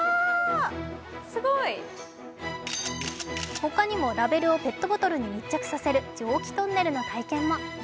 ほかにもラベルをペットボトルに密着させる蒸気トンネルの体験も。